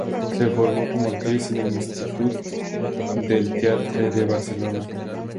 Se formó como actriz en el Institut del Teatre de Barcelona.